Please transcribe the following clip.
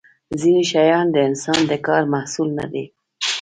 ځینې شیان د انسان د کار محصول نه دي.